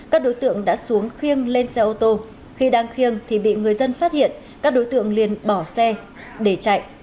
các đối tượng đã xuống khiêng lên xe ô tô khi đang khiêng thì bị người dân phát hiện các đối tượng liền bỏ xe để chạy